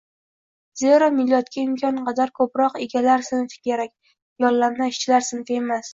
Zero, millatga imkon qadar ko‘proq egalar sinfi kerak, yollanma ishchilar sinfi emas.